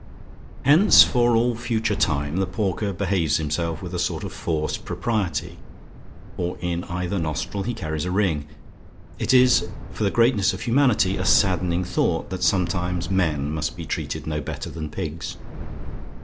Hence, for all future time, the porker behaves himself with a sort of forced propriety for in either nostril he carries a ring. It is, for the greatness of humanity, a saddening thought, that sometimes men must be treated no better than pigs.